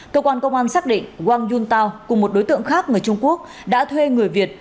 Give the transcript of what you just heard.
cơ quan công an xác định wang yuntao cùng một đối tượng khác người trung quốc đã thuê người việt